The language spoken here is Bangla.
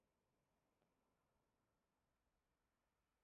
–বলিয়া মহেন্দ্রের কালেজে যাইবার কাপড় আনিয়া সম্মুখে উপস্থিত করিল।